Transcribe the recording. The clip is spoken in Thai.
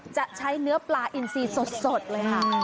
จะใช้เนื้อปลาอินซีสดเลยค่ะ